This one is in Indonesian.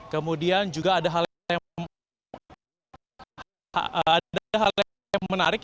kemudian juga ada hal yang menarik